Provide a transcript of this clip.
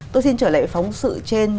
tôi xin trở lại phóng sự trên